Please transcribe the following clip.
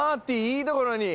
いいところに！